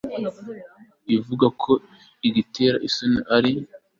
ivuga ko igiteye isoni ari